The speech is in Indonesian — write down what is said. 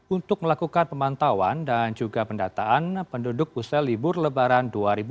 untuk melakukan pemantauan dan juga pendataan penduduk usai libur lebaran dua ribu dua puluh